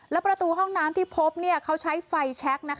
และประตูห้องน้ำที่พบเขาใช้ไฟแชค